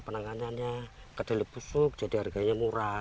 penanganannya kedelai busuk jadi harganya murah